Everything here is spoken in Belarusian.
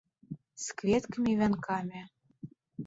З кветкамі і вянкамі.